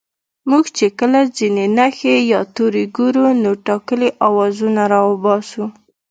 موږ چې کله ځينې نښې يا توري گورو نو ټاکلي آوازونه راوباسو